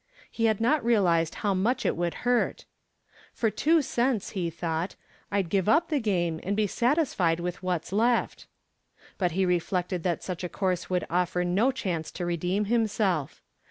He had not realized how much it would hurt. "For two cents," he thought, "I'd give up the game and be satisfied with what's left." But he reflected that such a course would offer no chance to redeem himself.